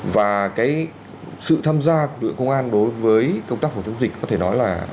và sự tham gia của lượng công an đối với công tác phòng chống dịch có thể nói là